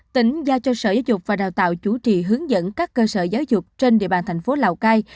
tỉnh giao cho sở giáo dục và đào tạo chủ trì hướng dẫn các cơ sở giáo dục trên địa bàn thành phố lào cai